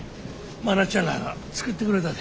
真夏ちゃんらが作ってくれたで。